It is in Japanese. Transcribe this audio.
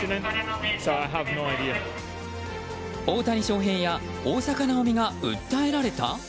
大谷翔平や大坂なおみが訴えられた？